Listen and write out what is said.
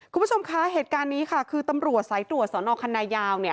คุณผู้ชมคะเหตุการณ์นี้ค่ะคือตำรวจสายตรวจสอนอคันนายาว